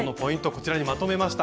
こちらにまとめました。